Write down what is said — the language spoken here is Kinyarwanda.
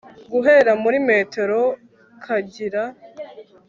guhera muri metero kagira